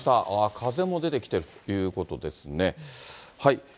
風も出てきているということですね。